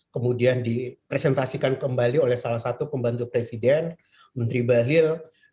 kemudian dipresentasikan kembali oleh salah satu pembantu presiden menteri bahlil